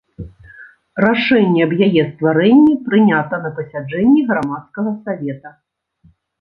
Рашэнне аб яе стварэнні прынята на пасяджэнні грамадскага савета.